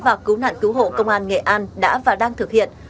và cứu nạn cứu hộ công an nghệ an đã và đang thực hiện